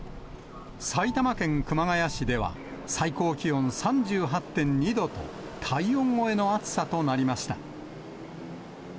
埼玉県熊谷市では、最高気温３８．２度と、体温超えの暑さとなりました。